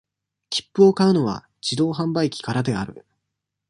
切符を買うのは、自動販売機からである。